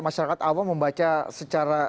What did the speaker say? masyarakat awal membaca secara